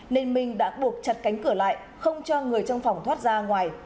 nên minh đã buộc chặt cánh cửa lại không cho người trong phòng thoát ra ngoài